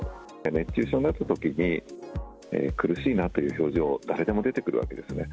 熱中症になった時に苦しいなという表情は誰でも出てくるわけですね。